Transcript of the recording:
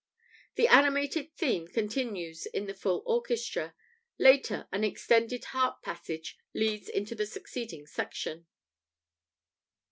[The animated theme continues in the full orchestra. Later, an extended harp passage leads into the succeeding section.